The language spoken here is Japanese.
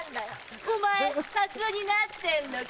お前札になってんのか？